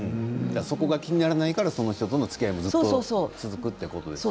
そこが気にならないからその人とのつきあいも、ずっと続くということなんですよね。